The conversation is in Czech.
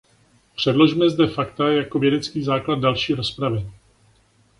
Předložme zde fakta jako vědecký základ další rozpravy.